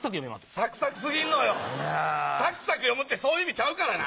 サクサク読むってそういう意味ちゃうからな。